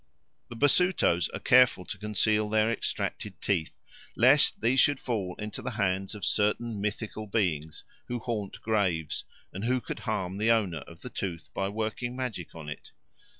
The Basutos are careful to conceal their extracted teeth, lest these should fall into the hands of certain mythical beings who haunt graves, and who could harm the owner of the tooth by working magic on it.